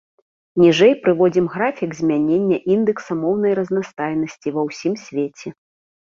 Ніжэй прыводзім графік змянення індэкса моўнай разнастайнасці ва ўсім свеце.